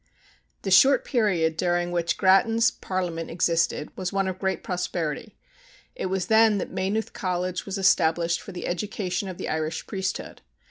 The short period during which Grattan's parliament existed was one of great prosperity. It was then that Maynooth College was established for the education of the Irish priesthood.